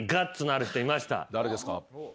誰ですか？